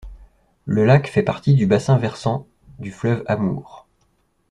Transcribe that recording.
Le lac fait partie du bassin versant du fleuve Amour.